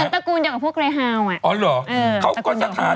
เหมือนตระกูลอย่างกับพวกเรฮาว